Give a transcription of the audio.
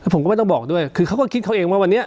ผมก็ไม่ต้องบอกด้วยคือเขาก็คิดเขาเองว่าวันนี้